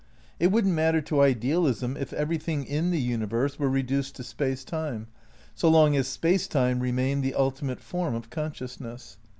It wouldn't matter to idealism if every thing in the universe were reduced to Space Time, so long as Space Time remained the ultimate form of cqnsciousness.